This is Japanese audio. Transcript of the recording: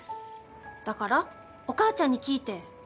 だからお母ちゃんに聞いて。